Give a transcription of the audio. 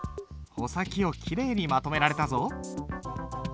穂先をきれいにまとめられたぞ。